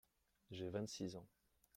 J’ai vingt-six ans.